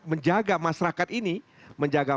menjaga masyarakat ini menjaga